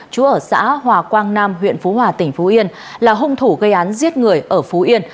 chú ở xã hòa quang nam huyện phú hòa tỉnh phú yên là hung thủ gây án giết người ở phú yên